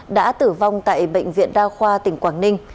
đã tử vong tại bệnh viện đa khoa tỉnh quảng ninh